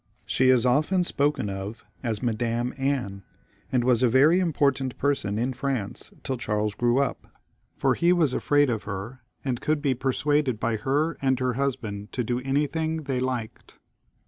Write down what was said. She is often spoken of as Madam Anne, and she was a very important person in France till Charles grew up ; for he was afraid of her, and could be persuaded by her and her husband to do anything they liked.